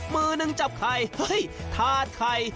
มือนึงจับไข่ฮึ้ยธาตุไข่